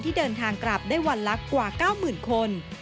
เดินทางกลับได้วันละกว่า๙๐๐คน